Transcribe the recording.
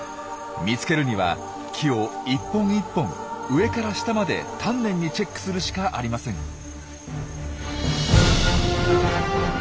見つけるには木を１本１本上から下まで丹念にチェックするしかありません。